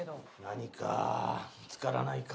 何か見付からないか。